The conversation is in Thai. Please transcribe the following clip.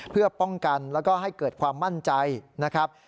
เพื่อป้องกันแล้วก็ให้เกิดความมั่นใจนะครับ